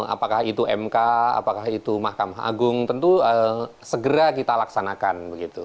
apakah itu mk apakah itu mahkamah agung tentu segera kita laksanakan begitu